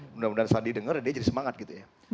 mudah mudahan sandi denger dia jadi semangat gitu ya